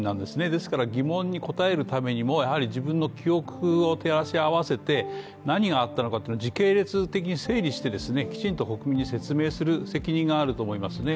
ですから疑問に答えるためにも、自分の記憶を照らし合わせて何があったのか時系列的に整理してきちんと国民に説明する責任があると思いますね。